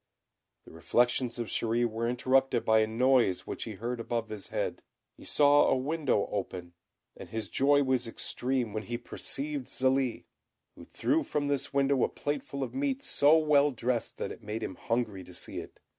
The reflections of Chéri were interrupted by a noise which he heard above his head. He saw a window open; and his joy was extreme when he perceived Zélie, who threw from this window a plateful of meat so well dressed that it made him hungry to see it.